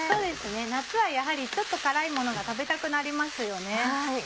夏はやはりちょっと辛いものが食べたくなりますよね。